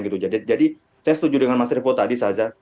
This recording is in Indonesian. jadi saya setuju dengan mas repo tadi saja